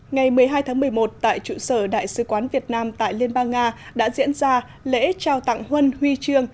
ngày một mươi hai tháng một mươi một tại trụ sở đại sứ quán việt nam tại liên bang nga đã diễn ra lễ trao tặng huân huy trương